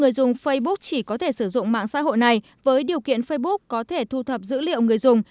người dùng facebook chỉ có thể sử dụng mạng xã hội này với điều kiện facebook có thể thu thập dữ liệu người dùng